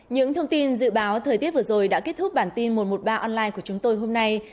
những thông tin dự báo thời tiết vừa rồi đã kết thúc bản tin một trăm một mươi ba online của chúng tôi hôm nay